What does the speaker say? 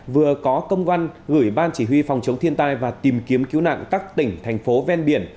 vừa có công văn gửi ban chỉ huy phòng chống thiên tai và tìm kiếm cứu nạn các tỉnh thành phố ven biển